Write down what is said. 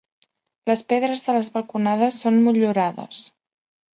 Les pedres de les balconades són motllurades.